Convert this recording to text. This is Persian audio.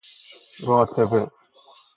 راتبه